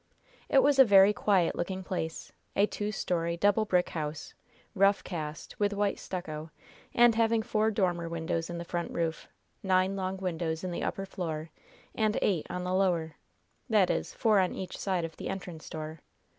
It was a very quiet looking place, a two story double brick house, rough cast, with white stucco, and having four dormer windows in the front roof, nine long windows in the upper floor and eight on the lower that is, four on each side of the entrance door.